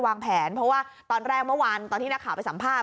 วางแผนเพราะว่าตอนแรกเมื่อวานตอนที่นักข่าวไปสัมภาษ